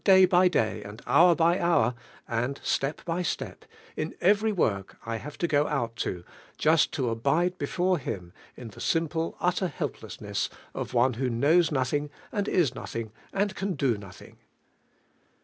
lav )i\ (lav and hour by hour and step by slop, in every work I have lo go out to, just lo abide before Him in the simple, nlii r helplessness of one who knows nothing, and is nothing, and ran do nothing.